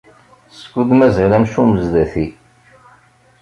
Skud mazal amcum sdat-i.